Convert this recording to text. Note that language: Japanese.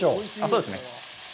そうですね。